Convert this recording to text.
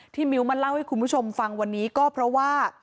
มิ้วมาเล่าให้คุณผู้ชมฟังวันนี้ก็เพราะว่า